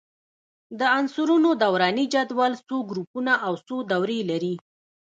د عنصرونو دوراني جدول څو ګروپونه او څو دورې لري؟